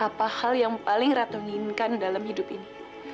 apa hal yang paling ratu inginkan dalam hidup ini